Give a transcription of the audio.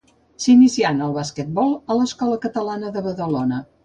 S’inicià en el món del basquetbol a l’Escola Catalana de Badalona.